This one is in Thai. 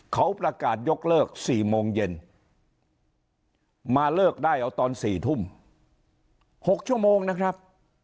เขาประกาศยกเลิก๔โมงเย็นมาเลิกได้เอาตอน๔ทุ่ม๖ชั่วโมงนะครับ